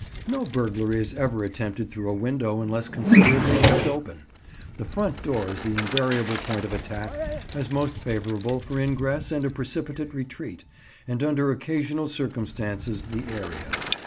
No burglary is ever attempted through a window unless considerately left open. The front door is the invariable point of attack, as most favourable for ingress and a precipitate retreat, and under occasional circumstances the area.